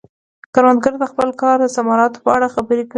کروندګر د خپل کار د ثمراتو په اړه خبرې کوي